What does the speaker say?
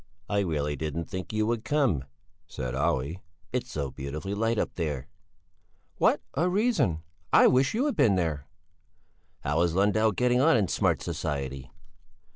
"I really didn't think you would come," said Olle. "It's so beautifully light up there." "What a reason! I wish you'd been there!" "How is Lundell getting on in smart society?"